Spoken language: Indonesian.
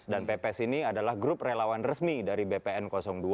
dan pps ini adalah grup relawan resmi dari bpn dua